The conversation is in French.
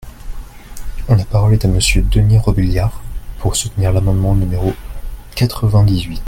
La parole est à Monsieur Denys Robiliard, pour soutenir l’amendement numéro quatre-vingt-dix-huit.